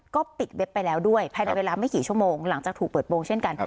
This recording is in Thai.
ก็ปิดเว็บไปแล้วด้วยภายในเวลาไม่กี่ชั่วโมงหลังจากถูกเปิดโปรงเช่นกัน